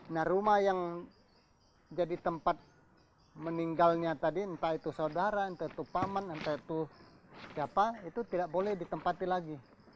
nah rumah yang jadi tempat meninggalnya tadi entah itu saudara entah itu paman entah itu siapa itu tidak boleh ditempati lagi